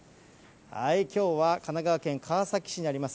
きょうは神奈川県川崎市にあります